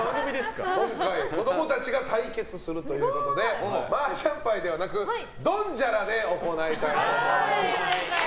今回、子供たちが対決するということでマージャン牌ではなくドンジャラで行いたいと思います。